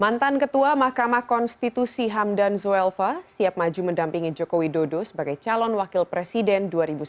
mantan ketua mahkamah konstitusi hamdan zuelfa siap maju mendampingi joko widodo sebagai calon wakil presiden dua ribu sembilan belas